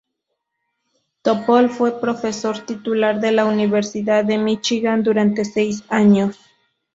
Topol fue profesor titular de la Universidad de Michigan durante seis años.